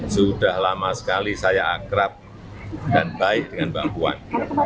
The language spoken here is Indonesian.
sudah lama sekali saya akrab dan baik dengan mbak puan